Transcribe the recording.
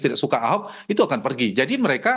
tidak suka ahok itu akan pergi jadi mereka